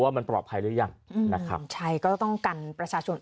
ว่ามันปลอดภัยหรือยังอืมนะครับใช่ก็ต้องกันประชาชน